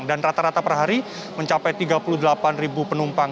dan rata rata per hari mencapai tiga puluh delapan ribu penumpang